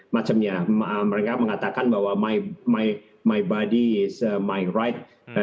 mereka mengatakan bahwa badan saya adalah kebenaran saya